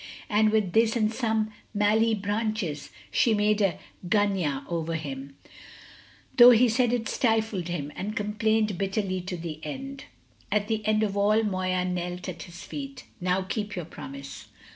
And with this and some mallee branches she made a gunyah over him, though he said it stifled him, and complained bitterly to the end. At the end of all Moya knelt at his feet. "Now keep your promise."